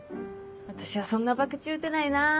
私はそんな博打打てないな。